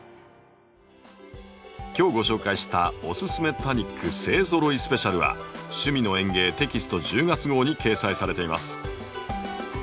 今日ご紹介した「おススメ多肉勢ぞろいスペシャル」は「趣味の園芸」テキスト１０月号に掲載されています。